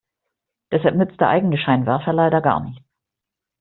Deshalb nützt der eigene Scheinwerfer leider gar nichts.